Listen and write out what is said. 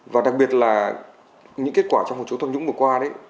và đặc biệt là những kết quả trong một chú tham nhũng vừa qua